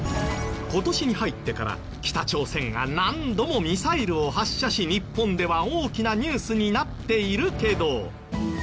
今年に入ってから北朝鮮が何度もミサイルを発射し日本では大きなニュースになっているけど。